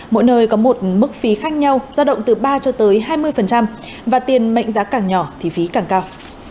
mỗi nơi có một mức phí khác nhau giao động từ ba cho tới hai mươi và tiền mệnh giá càng nhỏ thì phí càng cao